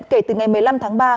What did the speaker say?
kể từ ngày một mươi năm tháng ba